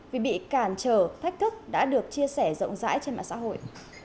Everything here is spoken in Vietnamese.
vì bị cản trở thách thức đã được chia sẻ rộng rãi trên mạng xã hội